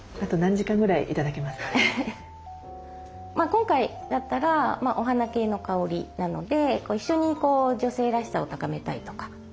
今回だったらお花系の香りなので一緒に女性らしさを高めたいとか。